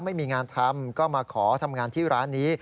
ไม่มีงานทำก็มาขอทำงานที่ร้านนี้